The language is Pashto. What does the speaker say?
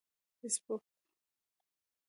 فیسبوک